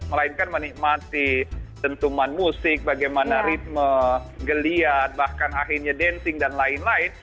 melainkan menikmati dentuman musik bagaimana ritme geliat bahkan akhirnya dancing dan lain lain